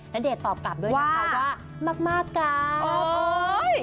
ณเดชน์ตอบกลับด้วยนะคะว่ามากกัน